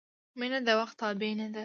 • مینه د وخت تابع نه ده.